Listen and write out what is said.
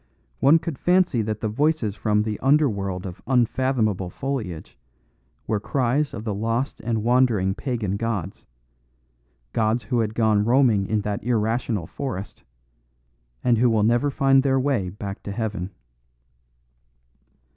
One could fancy that the voices from the under world of unfathomable foliage were cries of the lost and wandering pagan gods: gods who had gone roaming in that irrational forest, and who will never find their way back to heaven.